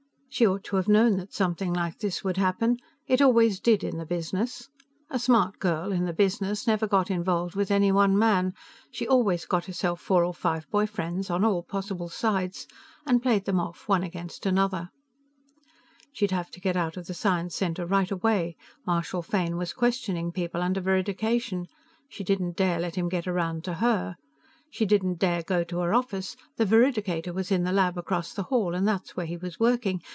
She ought to have known that something like this would happen. It always did, in the business. A smart girl, in the business, never got involved with any one man; she always got herself four or five boyfriends, on all possible sides, and played them off one against another. She'd have to get out of the Science Center right away. Marshal Fane was questioning people under veridication; she didn't dare let him get around to her. She didn't dare go to her office; the veridicator was in the lab across the hall, and that's where he was working.